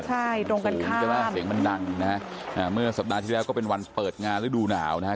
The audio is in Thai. ใช่ตรงกันข้ามมันสูงแต่ว่าเสียงมันดังนะฮะอ่าเมื่อสัปดาห์ที่แล้วก็เป็นวันเปิดงานฤดูหนาวนะฮะ